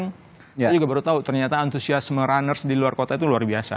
saya juga baru tahu ternyata antusiasme runners di luar kota itu luar biasa